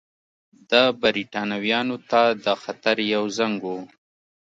دا برېټانویانو ته د خطر یو زنګ وو.